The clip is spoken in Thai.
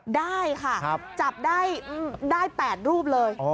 ได้ค่ะจับได้๘รูปเลย